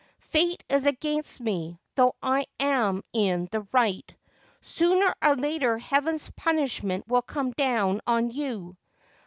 ' Fate is against me, though I am in the right. Sooner or later Heaven's punishment will come down on you.